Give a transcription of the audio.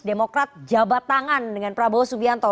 demokrat jabat tangan dengan prabowo subianto